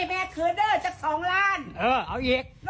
แล้วก็ขายหมดเหลือตั้งน้ำไอ้เห็ดเจ็น